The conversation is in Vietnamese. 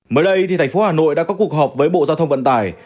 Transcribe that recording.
mới đây thành phố hà nội đã có cuộc họp với bộ giao thông vận tải